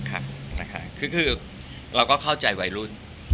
คือเราก็เข้าใจวัยรุ่น